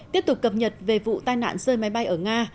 tiếp tục cập nhật về vụ tai nạn rơi máy bay ở nga